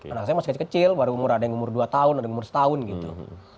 anak saya masih kecil baru ada yang umur dua tahun ada yang umur satu tahun gitu